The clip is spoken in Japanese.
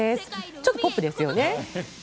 ちょっとポップですよね。